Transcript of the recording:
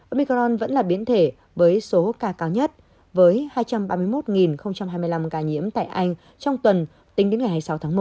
omicron vẫn là biến thể với số ca cao nhất với hai trăm ba mươi một hai mươi năm ca nhiễm tại anh trong tuần tính đến ngày hai mươi sáu tháng một